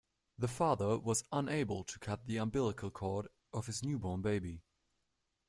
The father was unable to cut the umbilical cord of his newborn baby.